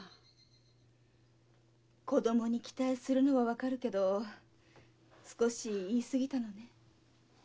子供に期待するのはわかるけど少し言いすぎたのね。